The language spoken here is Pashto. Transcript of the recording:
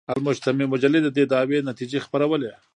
المجتمع مجلې د دې دعوې نتیجې خپرولې.